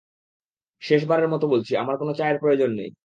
শেষবারের মতো বলছি, আমার কোনো চায়ের প্রয়োজন নেই!